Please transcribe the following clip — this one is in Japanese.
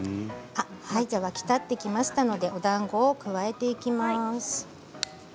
沸き立ってきましたのでおだんごを加えていきます。